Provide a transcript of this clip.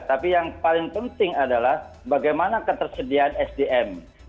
tapi yang paling penting adalah bagaimana ketersediaan sdm